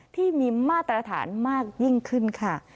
ที่มีมาตรฐานมากยิ่งขึ้นค่ะ